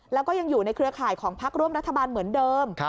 แล้วก็ยังอยู่ในเครือข่ายของพักร่วมรัฐบาลเหมือนเดิม